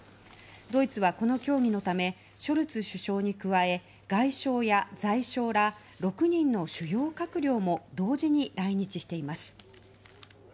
ドイツはこの協議のためショルツ首相に加え外相や財相ら６人の主要閣僚も同時に来日しています。